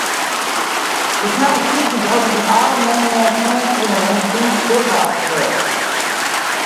The competition is open to all Mainland France women French football clubs.